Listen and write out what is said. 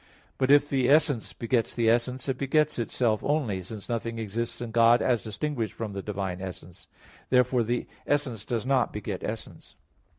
But if the essence begets the essence, it begets itself only, since nothing exists in God as distinguished from the divine essence. Therefore the essence does not beget essence.